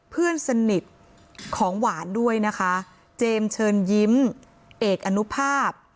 เพื่อนสนิทของหวานด้วยนะคะเจมส์เชิญยิ้มเอกอนุภาพ